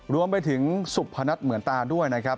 รวมไปถึงสุพนัทเหมือนตาด้วยนะครับ